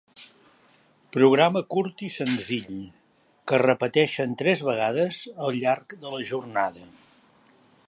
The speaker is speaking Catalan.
Programa curt i senzill que repeteixen tres vegades al llarg de la jornada.